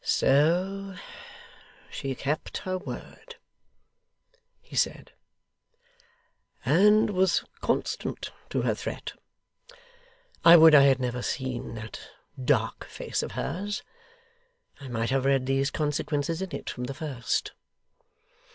'So she kept her word,' he said, 'and was constant to her threat! I would I had never seen that dark face of hers, I might have read these consequences in it, from the first.